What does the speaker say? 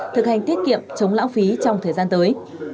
thực hành tiết kiệm chống lãng phí trong thời gian tới